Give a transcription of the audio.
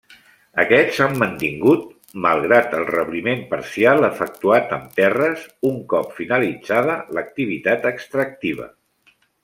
Aquests s'han mantingut, malgrat el rebliment parcial efectuat amb terres, un cop finalitzada l'activitat extractiva.